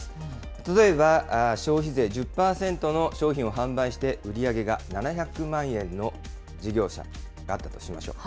例えば消費税１０％の商品を販売して売り上げが７００万円の事業者があったとしましょう。